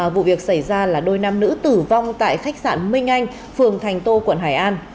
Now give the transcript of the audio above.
vụ việc xảy ra là đôi nam nữ tử vong tại khách sạn minh anh phường thành tô quận hải an